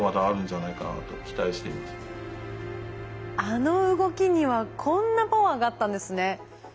あの動きにはこんなパワーがあったんですね。